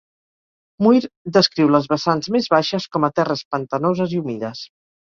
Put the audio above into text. Muir descriu les vessants més baixes com a "terres pantanoses i humides".